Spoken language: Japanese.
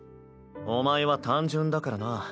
お前は単純だからな。